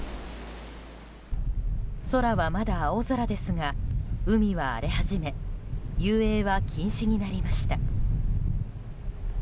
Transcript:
空は、まだ青空ですが海は荒れ始め遊泳は禁止になりました。